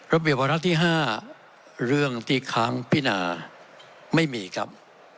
ระเบียบวาระที่๕เรื่องที่ค้างพินาไม่มีครับ